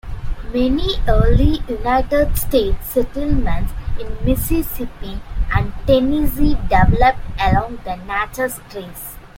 Many early United States settlements in Mississippi and Tennessee developed along the Natchez Trace.